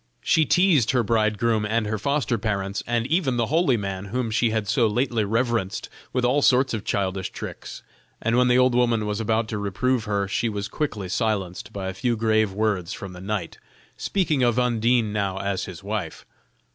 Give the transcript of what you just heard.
She teased her bridegroom and her foster parents, and even the holy man whom she had so lately reverenced, with all sorts of childish tricks; and when the old woman was about to reprove her, she was quickly silenced by a few grave words from the knight, speaking of Undine now as his wife.